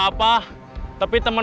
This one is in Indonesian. masih di pasar